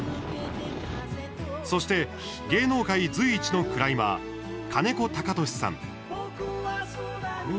そして芸能界随一のクライマー金子貴俊さん。